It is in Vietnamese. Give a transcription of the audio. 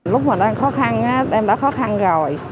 lúc mà đang khó khăn em đã khó khăn rồi